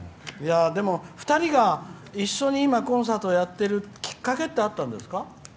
でも２人が一緒に、今コンサートをやってるきっかけってあったんですか？